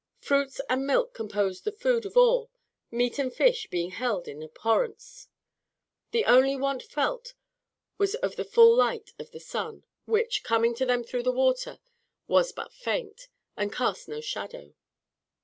Fruits and milk composed the food of all, meat and fish being held in abhorrence. The only want felt was of the full light of the sun, which, coming to them through the water, was but faint, and cast no shadow.